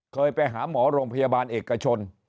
เคยไปหาหมอโรงพยาบาลเอกชน